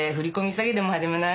詐欺でも始めない？